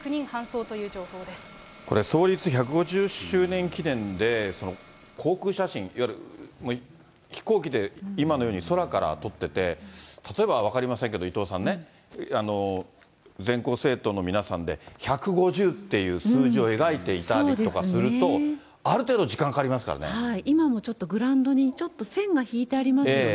これ、創立１５０周年記念で、航空写真、いわゆる飛行機で今のように空から撮ってて、例えば、分かりませんけど伊藤さんね、全校生徒の皆さんで１５０っていう数字を描いていたりとかすると、今もちょっと、グラウンドにちょっと線が引いてありますよね。